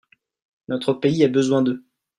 Notre pays a besoin d’eux.